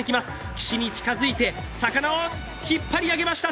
岸に近づいて、魚を引っ張り上げました。